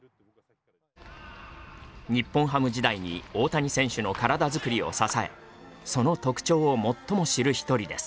日本ハム時代に大谷選手の体作りを支えその特徴を最も知る一人です。